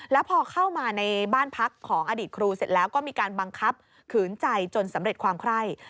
แล้วพอเข้ามาในบ้านพักของอดีตครูเสร็จแล้วก็มีการบังคับขืนใจจนสำเร็จความไคร่